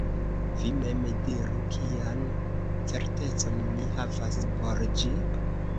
Vi mem diru: kian certecon mi havas por ĝi?